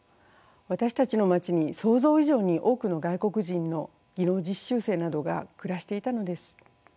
私たちの町に想像以上に多くの外国人の技能実習生などが暮らしていたのです。